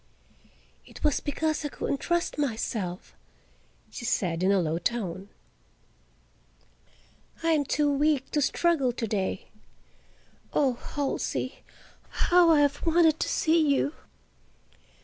"It was because I couldn't trust myself," she said in a low tone. "I am too weak to struggle to day; oh, Halsey, how I have wanted to see you!"